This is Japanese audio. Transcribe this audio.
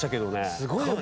すごいよね。